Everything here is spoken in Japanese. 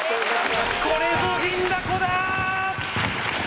これぞ銀だこだ！